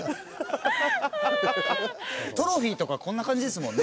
トロフィーとかこんな感じですもんね